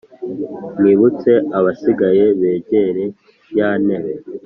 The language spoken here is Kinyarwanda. Mwibutse abasigaye begere ya ntebe